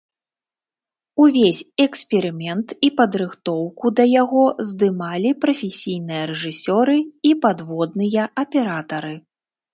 Увесь эксперымент і падрыхтоўку да яго здымалі прафесійныя рэжысёры і падводныя аператары.